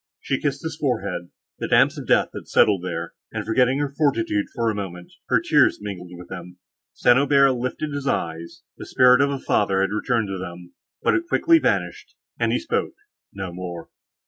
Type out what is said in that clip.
She kissed his forehead; the damps of death had settled there, and, forgetting her fortitude for a moment, her tears mingled with them. St. Aubert lifted up his eyes; the spirit of a father returned to them, but it quickly vanished, and he spoke no more.